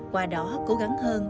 qua đó cố gắng hơn